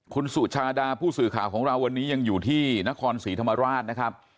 คุณสุชาดาผู้สื่อข่าวของเราวันนี้ยังอยู่ที่นครศรีธรรมราชนะครับ